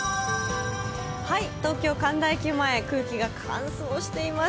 はい、東京・神田駅前空気が乾燥しています。